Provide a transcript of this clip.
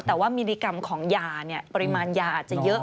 แต่ว่ามิลลิกรัมของยาปริมาณยาอาจจะเยอะ